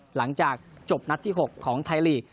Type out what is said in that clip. หลังจากจบนัดที่๖ของไทยลีก